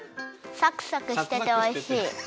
サクサクしてておいしい。